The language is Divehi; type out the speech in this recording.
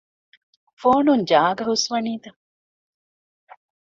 ފޯނުން ޖާގަ ހުސްވަނީތަ؟